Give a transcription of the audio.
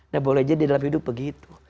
nah boleh jadi dalam hidup begitu